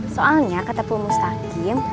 soalnya kata pumustakim